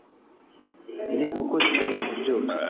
ni uko tutabizi byose